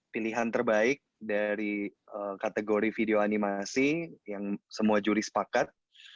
pilihan terbaik dari kategori video animasi yang semua juri sepakat